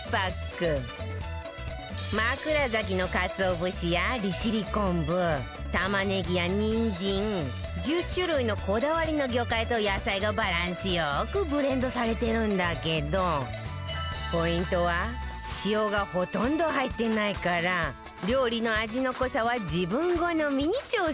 枕崎のかつお節や利尻昆布玉ねぎやにんじん１０種類のこだわりの魚介と野菜がバランスよくブレンドされてるんだけどポイントは塩がほとんど入ってないから料理の味の濃さは自分好みに調整できるんだって